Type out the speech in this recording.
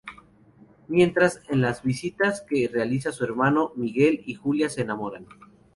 Mientras, en las visitas que realiza a su hermano, Miguel y Julia se enamoran.